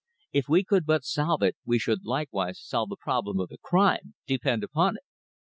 "If we could but solve it we should likewise solve the problem of the crime, depend upon it."